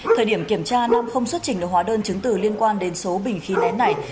thời điểm kiểm tra nam không xuất trình được hóa đơn chứng từ liên quan đến số bình khí nén này